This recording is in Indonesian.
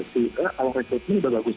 kalau resep ini sudah bagus